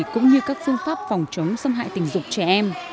cũng như các phương pháp phòng chống xâm hại tình dục trẻ em